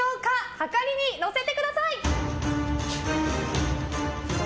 量りにのせてください！